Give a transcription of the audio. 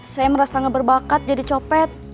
saya merasa nggak berbakat jadi copet